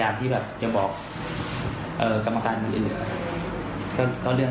อันนี้คือมีอยู่ก่อนแล้ว